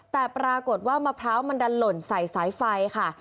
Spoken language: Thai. แต่ปรากฏว่ามะพร้าวมันดันหล่นใส่สายไฟค่ะ